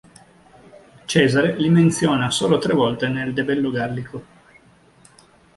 Cesare li menziona solo tre volte nel "De bello Gallico".